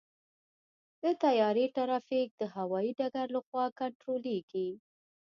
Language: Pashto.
د طیارې ټرافیک د هوايي ډګر لخوا کنټرولېږي.